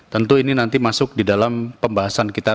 tentu ini nanti masuk di dalam pembahasan kita